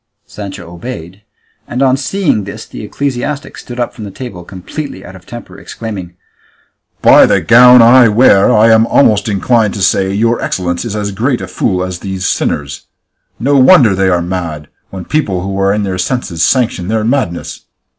Sancho obeyed, and on seeing this the ecclesiastic stood up from table completely out of temper, exclaiming, "By the gown I wear, I am almost inclined to say that your excellence is as great a fool as these sinners. No wonder they are mad, when people who are in their senses sanction their madness!